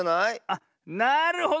あっなるほど。